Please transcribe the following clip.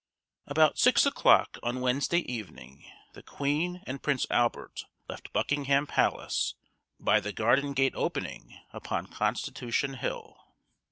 About six o'clock on Wednesday evening the Queen and Prince Albert left Buckingham Palace by the garden gate opening upon Constitution hill.